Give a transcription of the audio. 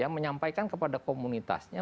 menyampaikan kepada komunitasnya